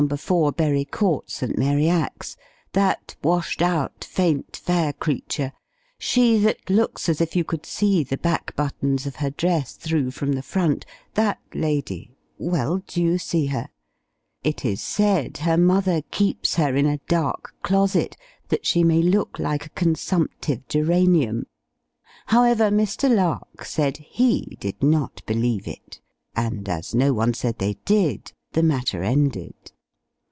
4, Bury Court, St. Mary Axe that washed out, faint, fair creature, she, that looks as if you could see the back buttons of her dress through from the front that lady well, do you see her? It is said her mother keeps her in a dark closet, that she may look like a consumptive geranium: however, Mr. Lark said he did not believe it; and, as no one said they did, the matter ended.